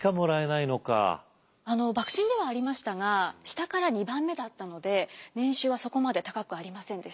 幕臣ではありましたが下から２番目だったので年収はそこまで高くありませんでした。